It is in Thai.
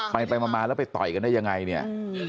ไปไปมาแล้วไปต่อยกันได้ยังไงเนี่ย